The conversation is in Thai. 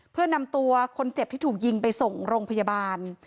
เพื่อนำตัวคนเจ็บที่ถูกยิงไปส่งโรงพยาบาล